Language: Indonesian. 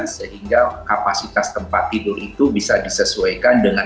sehingga kapasitas tempat tidur itu bisa disesuaikan dengan